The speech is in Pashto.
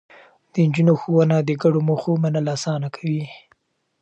د نجونو ښوونه د ګډو موخو منل اسانه کوي.